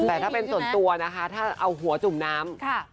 แต่ถ้าเป็นส่วนตัวนะคะถ้าเอาหัวจุ่มน้ำ